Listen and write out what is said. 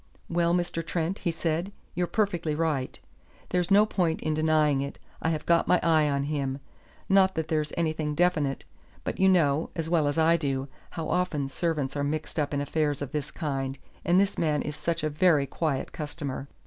"Well, Mr. Trent," he said, "you're perfectly right. There's no point in denying it. I have got my eye on him. Not that there's anything definite; but you know, as well as I do, how often servants are mixed up in affairs of this kind, and this man is such a very quiet customer.